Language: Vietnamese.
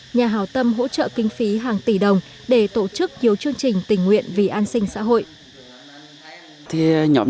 nhà hào tâm hỗ trợ kinh phí hàng tỷ đồng để tổ chức nhiều chương trình tình nguyện vì an sinh xã hội